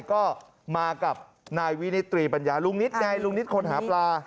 ก็มากับนายวินิตรีปัญญาลุงนิดนายลุงนิตคนหาปลา